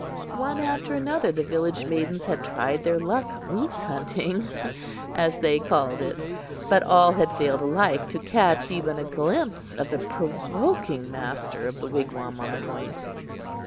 One after another the village maidens had tried their luck "Moose hunting," as they called it; but all had failed alike to catch even a glimpse of the provoking master of the wigwam on the Point.